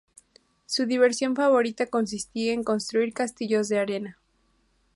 Su diversión favorita consistía en construir castillos de arena.